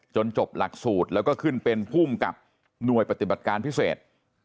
จบหลักสูตรแล้วก็ขึ้นเป็นภูมิกับหน่วยปฏิบัติการพิเศษ